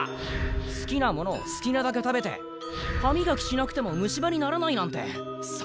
好きなものを好きなだけ食べて歯みがきしなくても虫歯にならないなんて最高じゃん！